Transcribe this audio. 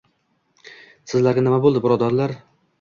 — Sizlarga nima bo‘ldi, birodarlar?!